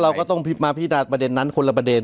เราก็ต้องมาพิจารณประเด็นนั้นคนละประเด็น